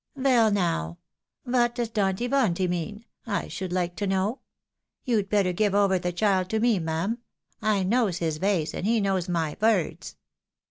" Veil now, vat does donty vonty mean, I should Uke to know? You'd better give over the child to me, ma'am — ^I knows his vays, and he knows my vords."